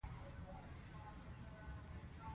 الوتکه د رڼا سره سیالي کوي.